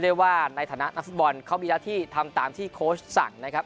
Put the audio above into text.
ได้ว่าในฐานะนักฟุตบอลเขามีหน้าที่ทำตามที่โค้ชสั่งนะครับ